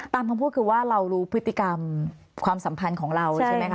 ตามคำพูดคือว่าเรารู้พฤติกรรมความสัมพันธ์ของเราใช่ไหมคะ